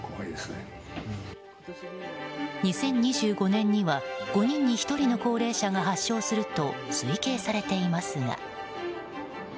２０２５年には５人に１人の高齢者が発症すると推計されていますが。